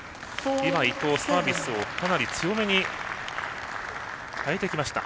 今、伊藤、サービスをかなり強めに変えてきました。